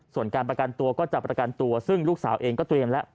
ส่วนการประกันตัวก็จะประกันตัวซึ่งลูกสาวเองก็เตรียมแล้ว